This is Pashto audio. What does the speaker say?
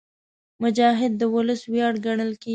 مجاهد د ولس ویاړ ګڼل کېږي.